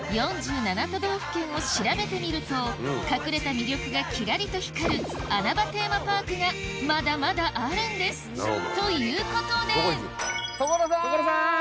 ４７都道府県を調べてみると隠れた魅力がキラリと光る穴場テーマパークがまだまだあるんですということで所さん！